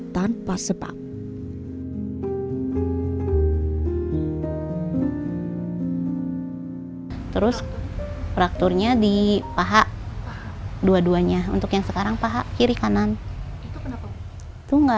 tanpa sebab terus prakturnya di paha dua duanya untuk yang sekarang paha kiri kanan itu kenapa itu enggak